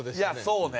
そうね！